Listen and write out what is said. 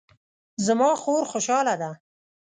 زما خور خوشحاله ده